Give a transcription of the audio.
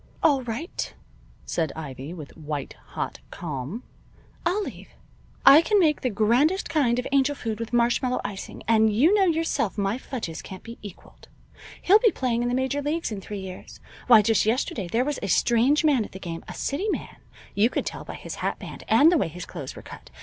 "All right," said Ivy, with a white hot calm. "I'll leave. I can make the grandest kind of angel food with marshmallow icing, and you know yourself my fudges can't be equaled. He'll be playing in the major leagues in three years. Why just yesterday there was a strange man at the game a city man, you could tell by his hat band, and the way his clothes were cut.